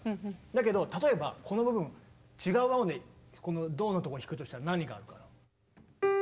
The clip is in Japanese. だけど例えばこの部分違う和音でこのドのとこ弾くとしたら何があるかな？